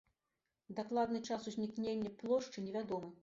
Дакладны час узнікнення плошчы невядомы.